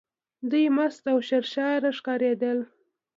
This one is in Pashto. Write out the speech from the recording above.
دوی مست او سرشاره ښکارېدل.